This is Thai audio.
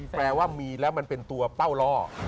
แปลว่ามีแล้วมันเป็นตัวเป้าล่อ